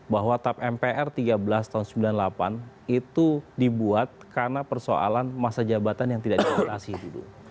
bahwa tap mpr tiga belas tahun sembilan puluh delapan itu dibuat karena persoalan masa jabatan yang tidak dibatasi dulu